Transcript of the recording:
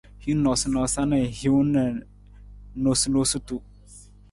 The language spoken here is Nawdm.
Hin noosanoosa na hiwung na noosunonosutu.